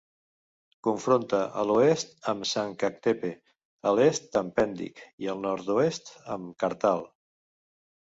Confronta a l'oest amb Sancaktepe, a l'est amb Pendik i al nord-oest amb Kartal.